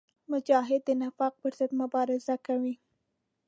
مجاهد د نفاق پر ضد مبارزه کوي.